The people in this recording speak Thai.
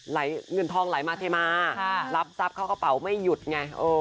เงินทองไหลมาเทมารับทรัพย์เข้ากระเป๋าไม่หยุดไง